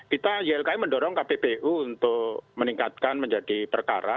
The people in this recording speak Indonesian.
kita ylki mendorong kppu untuk meningkatkan menjadi perkara